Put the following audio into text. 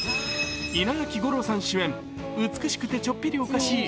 稲垣吾郎さん主演、美しくてちょっぴりおかしい